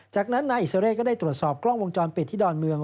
จากนั้นนายอิสราเร่ก็ได้ตรวจสอบกล้องวงจรปิดที่ดอนเมือง